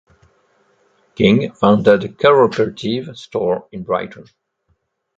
King founded a cooperative store in Brighton.